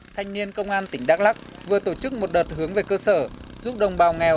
thanh niên công an tỉnh đắk lắc vừa tổ chức một đợt hướng về cơ sở giúp đồng bào nghèo